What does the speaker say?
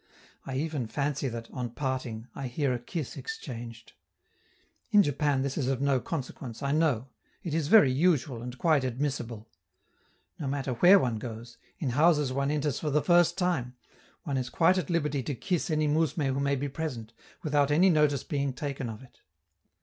I even fancy that, on parting, I hear a kiss exchanged. In Japan this is of no consequence, I know; it is very usual, and quite admissible; no matter where one goes, in houses one enters for the first time, one is quite at liberty to kiss any mousme who may be present, without any notice being taken of it.